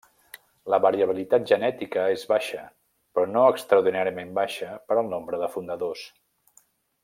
La variabilitat genètica és baixa, però no extraordinàriament baixa per al nombre de fundadors.